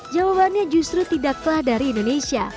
jawabannya justru tidaklah dari indonesia